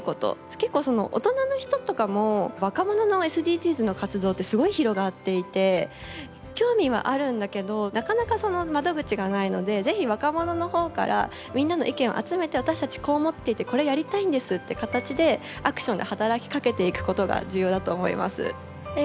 結構大人の人とかも若者のＳＤＧｓの活動ってすごい広がっていて興味はあるんだけどなかなかその窓口がないので是非若者の方からみんなの意見を集めて私たちこう思っていてこれやりたいんですって形でアクションで働きかけていくことが重要だと思います。